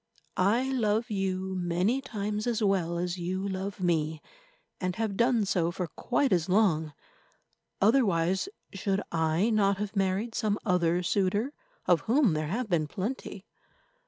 I love you many times as well as you love me, and have done so for quite as long. Otherwise, should I not have married some other suitor, of whom there have been plenty?